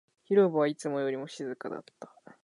広場はいつもよりも静かだった